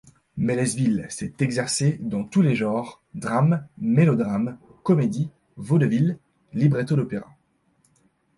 Mélesville s’est exercé dans tous les genres, drames, mélodrames, comédies, vaudevilles, librettos d’opéras.